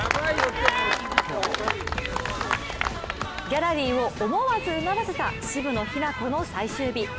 ギャラリーを思わずうならせた渋野日向子の最終日。